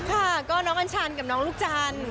ค่ะก็น้องอัญชันกับน้องลูกจันทร์